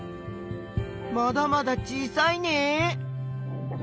まだまだ小さいね。